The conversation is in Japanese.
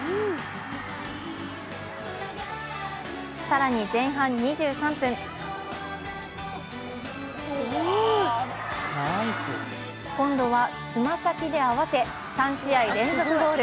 更に前半２３分今度は爪先で合わせ３試合連続ゴール。